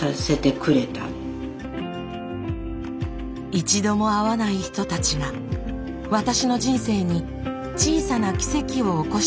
一度も会わない人たちが私の人生に小さな奇跡を起こしてくれたのです。